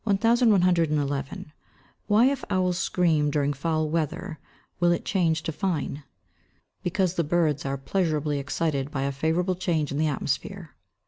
Why if owls scream during foul weather, will it change to fine? Because the birds are pleasurably excited by a favourable change in the atmosphere.